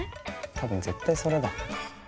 多分絶対それだ。